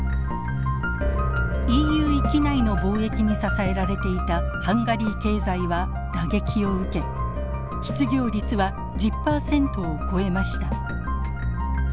ＥＵ域内の貿易に支えられていたハンガリー経済は打撃を受け失業率は１０％を超えました。